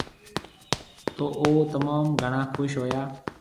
تو او تموم گھڻا خُوش ھويا